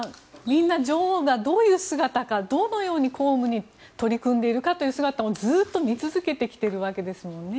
みんな、女王がどういう姿かどのように公務に取り組んでいるかという姿をずっと見続けてきているわけですもんね。